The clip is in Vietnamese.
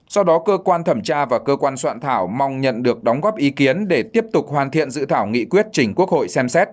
do đó cơ quan thẩm tra và cơ quan soạn thảo mong nhận được đóng góp ý kiến để tiếp tục hoàn thiện dự thảo nghị quyết chỉnh quốc hội xem xét